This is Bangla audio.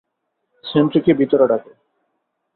সেন্ট্রিকে ভিতরে ডাকো।